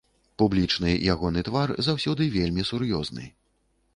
Публічны ягоны твар заўсёды вельмі сур'ёзны.